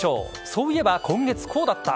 そういえば今月こうだった。